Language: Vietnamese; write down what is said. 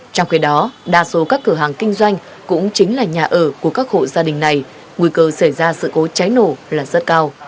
trong khi đó đa số các cửa hàng kinh doanh cũng chính là nhà ở của các hộ gia đình này nguy cơ xảy ra sự cố cháy nổ là rất cao